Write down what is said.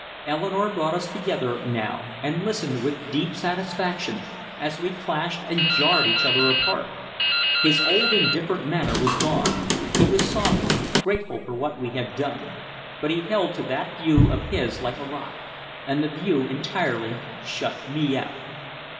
Eleanore brought us together now and listened with deep satisfaction as we clashed and jarred each other apart. His old indifferent manner was gone, he was softened, grateful for what we had done but he held to that view of his like a rock, and the view entirely shut me out.